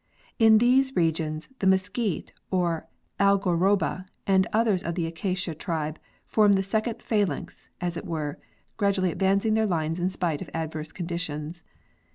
In these re gions the mesquite or algaroba and others of the acacia tribe form the second phalanx, as it were, gradually advancing their lines in spite of adverse conditions.